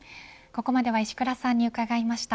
ここまでは石倉さんに伺いました。